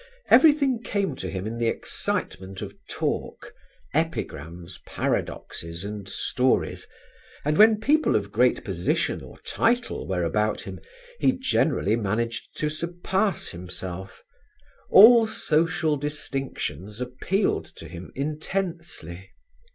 Everything came to him in the excitement of talk, epigrams, paradoxes and stories; and when people of great position or title were about him he generally managed to surpass himself: all social distinctions appealed to him intensely.